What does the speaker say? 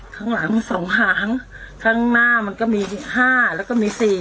ข้างหลังสองหางข้างหน้ามันก็มี๕แล้วก็มี๔